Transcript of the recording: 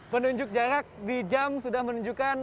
penunjuk jarak di jam sudah menunjukkan